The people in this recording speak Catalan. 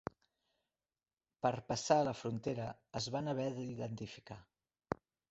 Per passar la frontera es van haver d'identificar.